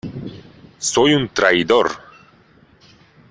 soy un traidor.